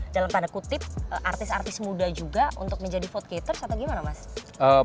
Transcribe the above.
dalam tanda kutip artis artis muda juga untuk menjadi vote gators atau gimana mas